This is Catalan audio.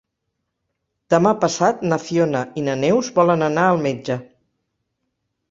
Demà passat na Fiona i na Neus volen anar al metge.